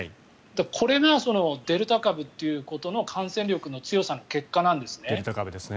これがデルタ株ということの感染力の強さの結果なんですね。